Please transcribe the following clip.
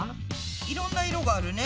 いろんな色があるね。